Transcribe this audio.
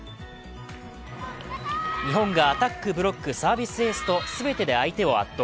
日本がアタック、ブロック、サービスエースと全てで相手を圧倒。